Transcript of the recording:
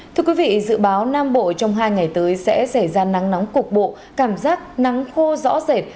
thưa quý vị dự báo nam bộ trong hai ngày tới sẽ xảy ra nắng nóng cục bộ cảm giác nắng khô rõ rệt